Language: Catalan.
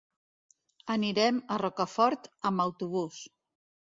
Anirem a Rocafort amb autobús.